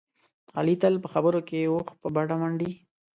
علي تل په خبرو کې اوښ په بډه منډي.